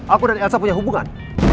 aku dan elsa punya hubungan